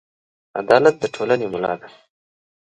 عدالت د ټولنې ملا ده.